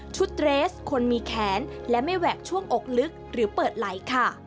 เรสคนมีแขนและไม่แหวกช่วงอกลึกหรือเปิดไหลค่ะ